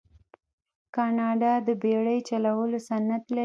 کاناډا د بیړۍ چلولو صنعت لري.